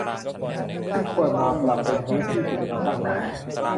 ที่ควรมาปรับเป็นพื้นที่กิจกรรมสร้างสรรค์